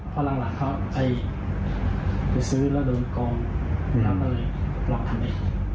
เพราะหลังเขาไปซื้อแล้วโดนกองหลังไปลองทำอะไร